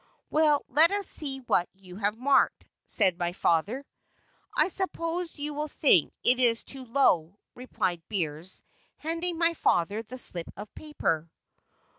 "Well, let us see what you have marked," said my father. "I suppose you will think it is too low," replied Beers, handing my father the slip of paper.